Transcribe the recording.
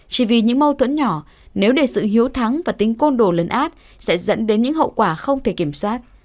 chỉ vì những mâu thuẫn nhỏ nếu để sự hiếu thắng và tính côn đồ lấn át sẽ dẫn đến những hậu quả không thể kiểm soát